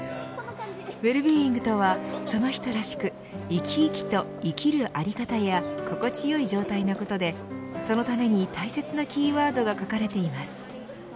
ウェルビーイングとはその人らしく生き生きと生きる在り方や心地よい状態のことでそのために大切なキーワードが書かれています。